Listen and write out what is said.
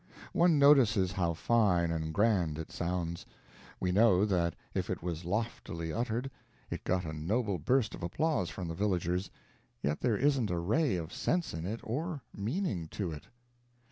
One notices how fine and grand it sounds. We know that if it was loftily uttered, it got a noble burst of applause from the villagers; yet there isn't a ray of sense in it, or meaning to it.